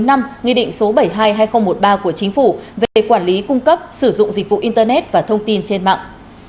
nghị định số bảy mươi hai hai nghìn một mươi ba của chính phủ về quản lý cung cấp sử dụng dịch vụ internet và thông tin trên mạng